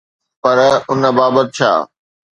پر ان بابت ڇا؟